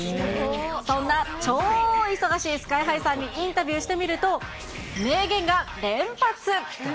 そんな超忙しいスカイハイさんにインタビューしてみると、名言が連発。